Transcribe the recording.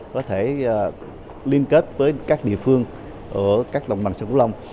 có thể liên kết với các địa phương ở các đồng bằng sông cúc long